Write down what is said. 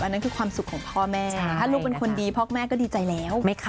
นั่นคือความสุขของพ่อแม่ถ้าลูกเป็นคนดีพ่อแม่ก็ดีใจแล้ว